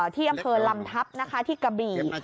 ที่อำเภอลำทัพที่กระบี่